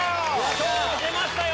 今日出ましたよ！